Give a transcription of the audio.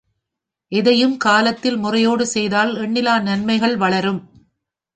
எதையும் காலத்தில் முறையோடு செய்தால் எண்ணிலா நன்மைகள் வளரும்.